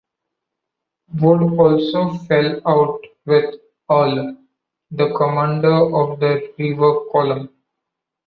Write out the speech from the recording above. Wood also fell out with Earle, the commander of the river column.